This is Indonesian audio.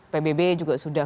pbb juga sudah